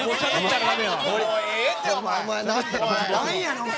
何やねんお前。